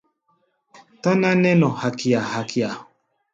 Táná nɛ́ nɔ hakia-hakia.